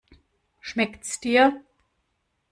Schmeckt's dir?